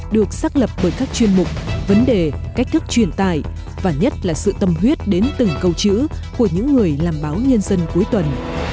được xác lập bởi các chuyên mục vấn đề cách thức truyền tài và nhất là sự tâm huyết đến từng câu chữ của những người làm báo nhân dân cuối tuần